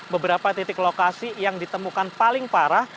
beberapa titik lokasi yang ditemukan paling parah